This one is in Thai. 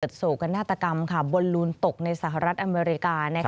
โศกนาฏกรรมบอลลูนตกในสหรัฐอเมริกา